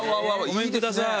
ごめんください。